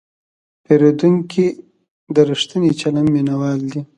پیرودونکی د ریښتیني چلند مینهوال دی.